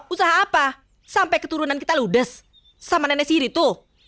usaha apa sampai keturunan kita ludes sama nenek siri tuh